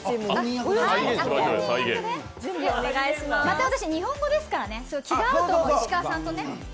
また私、日本語ですから気が合うと、石川さんとね。